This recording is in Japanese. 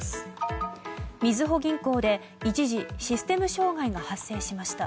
みずほ銀行で一時、システム障害が発生しました。